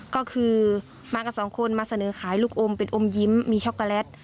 ก็คือมากับสองคนมาเสนอขายลูกอมเป็นอมยิ้มมีช็อกโกแลต